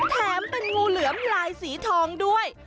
แถมเป็นงูเหลือมลายสีทองด้วย